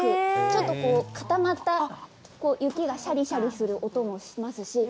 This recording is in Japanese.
固まった雪がシャリシャリする音がします。